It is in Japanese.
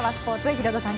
ヒロドさん